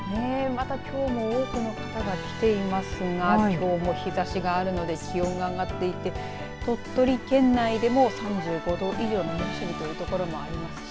またきょうも多くの方が来ていますがきょうも日ざしがあるので気温が上がってきて鳥取県内でも３５度以上の猛暑日というところもありますし